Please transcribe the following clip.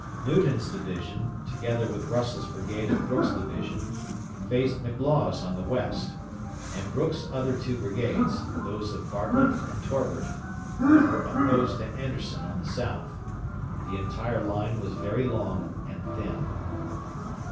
Newton's division, together with Russell's brigade of Brooks' division, faced McLaws on the west, and Brooks' other two brigades those of Bartlett and Torbert were opposed to Anderson on the south. The entire line was very long and thin.